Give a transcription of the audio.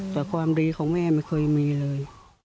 แต่ความดีของแม่ไม่เคยมีเลย